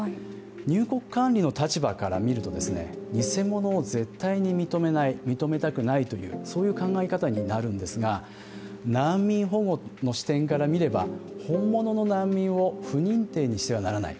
入国管理の立場からみると、ニセモノを絶対に認めない、認めたくないというそういう考え方になるんですが難民保護の視点から見れば、ホンモノの難民を不認定にしてはならない。